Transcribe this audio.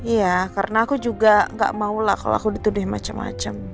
ya karena aku juga gak maulah kalau aku dituduh macam macam